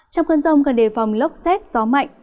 trong cơn giông gần đề phòng lốc xét gió mạnh